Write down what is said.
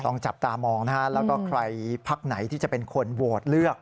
ต้องจับตามองนะฮะแล้วก็ใครพักไหนที่จะเป็นคนโหวตเลือก